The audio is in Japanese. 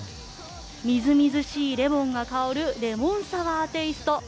みずみずしいレモンが香るレモンサワーテイスト